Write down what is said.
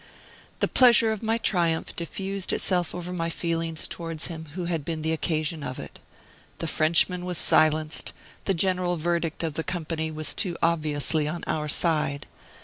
The pleasure of my triumph diffused itself over my feelings towards him who had been the occasion of it. The Frenchman was silenced; the general verdict of the company was too obviously on our side.